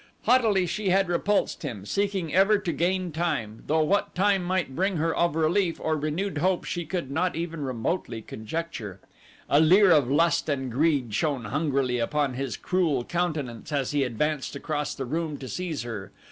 Haughtily had she repulsed him, seeking ever to gain time, though what time might bring her of relief or renewed hope she could not even remotely conjecture. A leer of lust and greed shone hungrily upon his cruel countenance as he advanced across the room to seize her.